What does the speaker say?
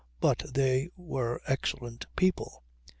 But they were excellent people.